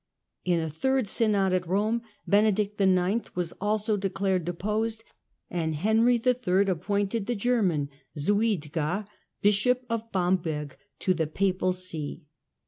In a third Synod at Rome Benedict IX. was also declared deposed and Henry III. appointed the German Suidger, Bishop of Bamberg, to the Papal See.